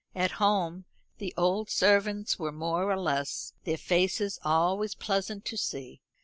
At home the old servants were more or less their faces always pleasant to see.